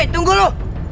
weh tunggu lu